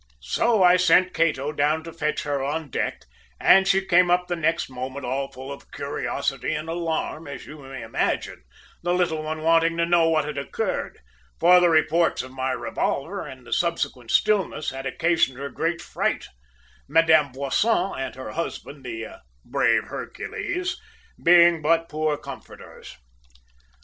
"So I sent Cato down to fetch her on deck, and she came up the next moment, all full of curiosity and alarm, as you may imagine, the little one wanting to know what had occurred; for the reports of my revolver and the subsequent stillness had occasioned her great fright, Madame Boisson and her husband, the `brave Hercules,' being but poor comforters.